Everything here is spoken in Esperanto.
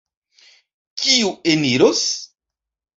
Kiu eniros?